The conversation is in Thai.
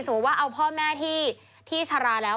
สมมุติว่าเอาพ่อแม่ที่ชะลาแล้ว